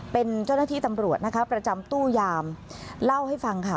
เป็นเจ้าหน้าที่ตำรวจนะคะประจำตู้ยามเล่าให้ฟังค่ะ